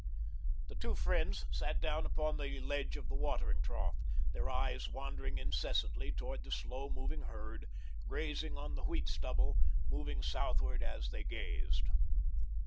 The two friends sat down upon the ledge of the watering trough, their eyes wandering incessantly toward the slow moving herd, grazing on the wheat stubble, moving southward as they grazed.